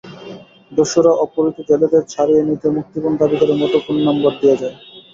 দস্যুরা অপহৃত জেলেদের ছাড়িয়ে নিতে মুক্তিপণ দাবি করে মুঠোফোন নম্বর দিয়ে যায়।